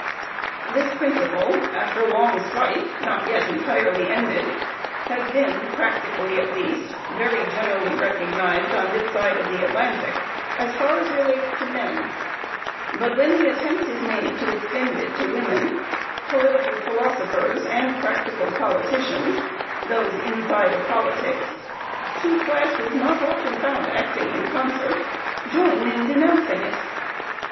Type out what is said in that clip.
This principle, after long strife, not yet entirely ended has been, practically at least, very generally recognized on this side of the Atlantic, as far as relates to men; but when the attempt is made to extend it to women, political philosophers and practical politicians, those "inside of politics," two classes not often found acting in concert, join in denouncing it.